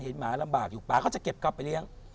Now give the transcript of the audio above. หมาลำบากอยู่ป่าก็จะเก็บกลับไปเลี้ยง